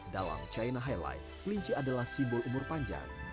dalam china highlight kelinci adalah simbol umur panjang